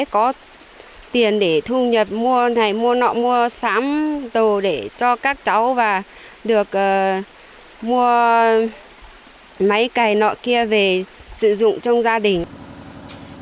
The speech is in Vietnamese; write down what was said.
có tiền để thu nhập mua này mua nọ mua sắm đồ để cho các cháu và được mua máy cày nọ kia về sử dụng trong gia đình